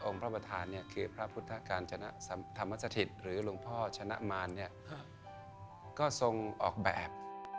พระประธานคือพระพุทธกาญจนธรรมสถิตหรือหลวงพ่อชนะมารก็ทรงออกแบบ